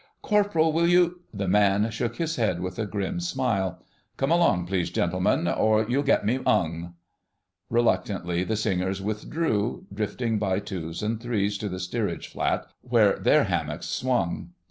"Corporal, will you——" The man shook his head with a grim smile. "Come along, please, gentlemen, or you'll get me 'ung." Reluctantly the singers withdrew, drifting by twos and threes to the steerage flat where their hammocks swung.